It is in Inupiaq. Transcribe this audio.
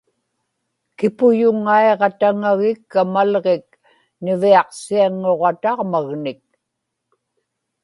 kipuyuŋaiġataŋagikka malġik niviaqsiaŋŋuġataġmagnik